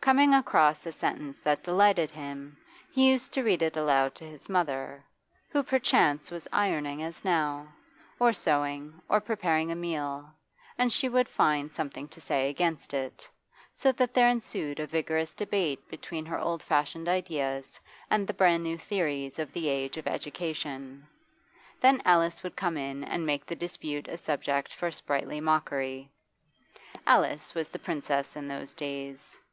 Coming across a sentence that delighted him, he used to read it aloud to his mother, who perchance was ironing as now, or sewing, or preparing a meal, and she would find something to say against it; so that there ensued a vigorous debate between her old fashioned ideas and the brand new theories of the age of education: Then Alice would come in and make the dispute a subject for sprightly mockery. Alice was the Princess in those days.